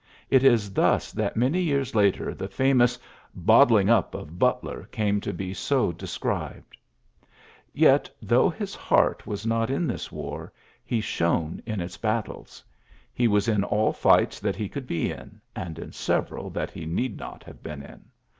It is thus that many years later the famous '^ bot tling up" of Butler came to be so de scribed. Yety though his heart was not in this war, he shone in its battles. He was in all fights that he could be in, and in several that he need not have been in.